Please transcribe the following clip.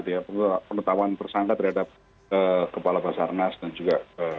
tentang persangka gitu ya pengetahuan persangka terhadap kepala pasar nasi dan juga